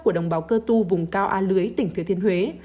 của đồng bào cơ tu vùng cao a lưới tỉnh thừa thiên huế